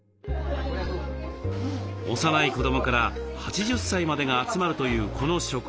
幼い子どもから８０歳までが集まるというこの食堂。